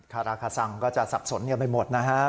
คาราคาซังก็จะสับสนกันไปหมดนะฮะ